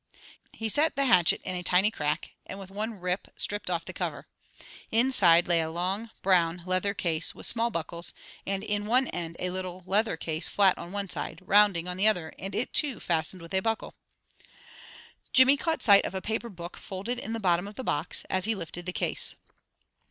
He set the hatchet in a tiny crack, and with one rip, stripped off the cover. Inside lay a long, brown leather case, with small buckles, and in one end a little leather case, flat on one side, rounding on the other, and it, too, fastened with a buckle. Jimmy caught sight of a paper book folded in the bottom of the box, as he lifted the case.